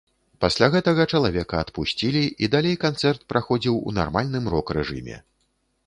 Пасля гэтага чалавека адпусцілі і далей канцэрт праходзіў у нармальным рок-рэжыме.